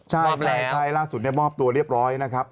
ใช่ล่าสุดมอบตัวเรียบร้อยนะครับ